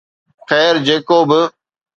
خير جيڪو به